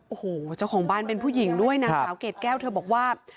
โอ้โหเจ้าของบ้านเป็นผู้หญิงด้วยนางสาวเกรดแก้วเธอบอกว่า